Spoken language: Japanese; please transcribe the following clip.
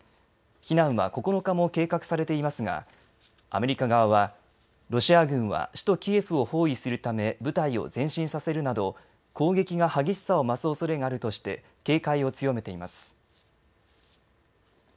避難は９日も計画されていますがアメリカ側はロシア軍は首都キエフを包囲するため部隊を前進させるなど攻撃が激しさを増すおそれがあるとして警戒を強めています。